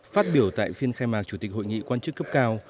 phát biểu tại phiên khai mạc chủ tịch hội nghị quan chức cấp cao